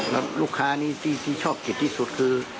แล้วลูกค้านี่ที่ชอบกินที่สุดคือ